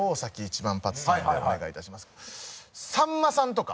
さんまさんとか。